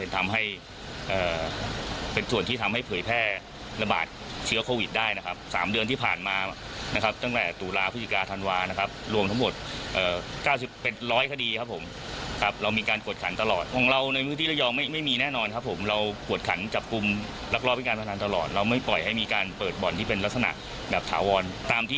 ถามที่สื่อบุญชนได้เข้าไปตรวจนะครับก็ไม่มีสถานการณ์ไม่มีที่จะลักษณะที่จะลักษณะที่เป็นบ่อนนะครับผม